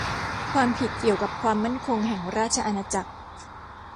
ความผิดเกี่ยวกับความมั่นคงแห่งราชอาณาจักร